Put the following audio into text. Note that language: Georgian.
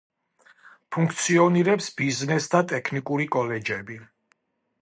ფუნქციონირებს ბიზნეს და ტექნიკური კოლეჯები.